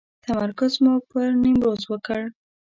تمرکز مو پر نیمروز وکړ.